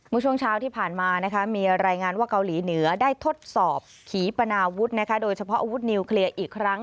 ช่วงเช้าที่ผ่านมามีรายงานว่าเกาหลีเหนือได้ทดสอบขี่ปนาวุฒิโดยเฉพาะอาวุธนิวเคลียร์อีกครั้ง